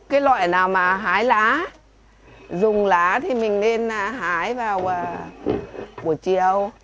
cái loại nào mà hái lá dùng lá thì mình nên hái vào buổi chiều